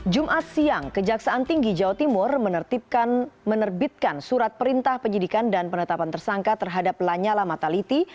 jumat siang kejaksaan tinggi jawa timur menerbitkan surat perintah penyidikan dan penetapan tersangka terhadap lanyala mataliti